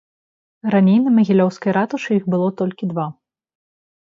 Раней на магілёўскай ратушы іх было толькі два.